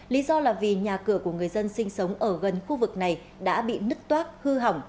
lý do là vì nhà cửa của người dân sinh sống ở gần khu vực này đã bị nứt toác hư hỏng